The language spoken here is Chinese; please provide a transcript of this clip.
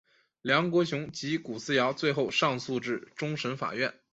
梁国雄及古思尧最后上诉至终审法院。